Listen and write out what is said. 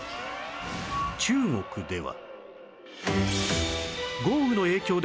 中国では